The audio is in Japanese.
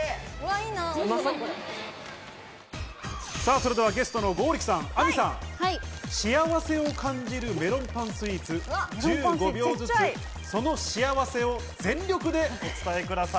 それではゲストの剛力さん、Ａｍｉさん、幸せを感じるメロンパンスイーツ、１５秒ずつ、その幸せを全力でお伝えください。